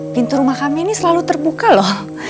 pintu rumah kami ini selalu terbuka loh